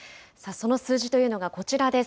その数字というのがこちらです。